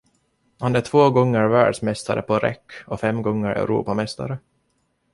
Han är två gånger världsmästare på Räck och fem gånger Europamästare.